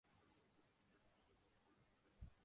اب دوسنی ریاستیں برسر پیکار ہیں۔